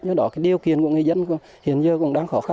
do đó điều kiện của người dân hiện giờ cũng đang khó khăn